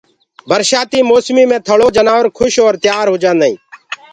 برسآتي موسمي مي ٿݪو جنآور کُش اور تيآ هوجآدآئين